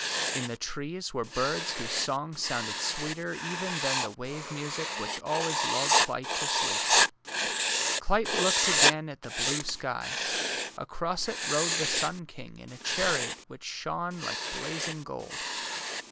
In the trees were birds whose songs sounded sweeter even than the wave music which always lulled Clyte to sleep. Clyte looked again at the blue sky. Across it rode the sun king in a chariot which shone like blazing gold.